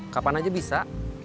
kapan aja bisa